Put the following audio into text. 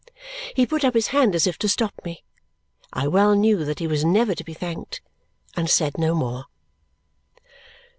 He put up his hand as if to stop me. I well knew that he was never to be thanked, and said no more.